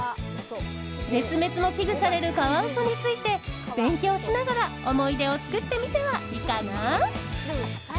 絶滅も危惧されるカワウソについて勉強しながら思い出を作ってみてはいかが？